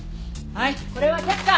はいこれは却下！